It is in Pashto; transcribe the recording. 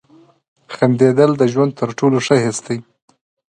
• خندېدل د ژوند تر ټولو ښه حس دی.